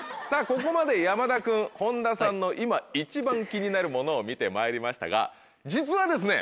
ここまで山田君本田さんの今一番気になるものを見てまいりましたが実はですね！